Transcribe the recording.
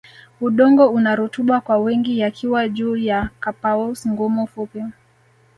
Udongo una rutuba kwa wingi yakiwa juu ya carpaous ngumu fupi